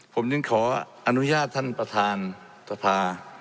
ผมจึงขออนุญาตท่านประธานสภา